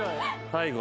最後。